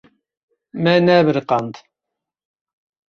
Me nebiriqand.